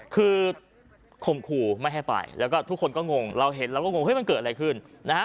คือข่มขู่ไม่ให้ไปแล้วก็ทุกคนก็งงเราเห็นเราก็งงเฮ้มันเกิดอะไรขึ้นนะฮะ